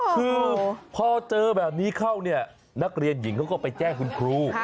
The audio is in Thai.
คือพอเจอแบบนี้เข้าเนี่ยนักเรียนหญิงเขาก็ไปแจ้งคุณครู